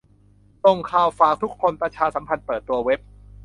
ส่งข่าวฝากทุกคนประชาสัมพันธ์เปิดตัวเว็บ